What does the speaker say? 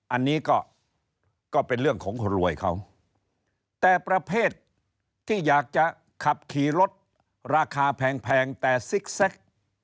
อันนี้ก็เป็นเรื่องของคนรวยเขาแต่ประเภทที่อยากจะขับขี่รถราคาแพงแต่ซิกแซค